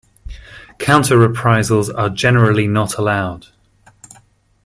Counter-reprisals are generally not allowed.